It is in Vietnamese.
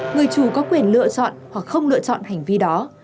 người chủ có quyền lựa chọn hoặc không lựa chọn hành vi đó